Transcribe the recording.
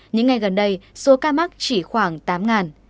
những ngày gần đây số ca mắc chỉ khoảng tám